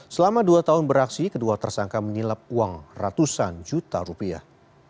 selama dua tahun beraksi kedua tersangka menyilap uang ratusan juta rupiah